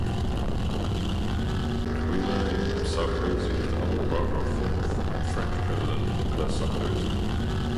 Guillaume Sarkozy is the older brother of former French president Nicolas Sarkozy.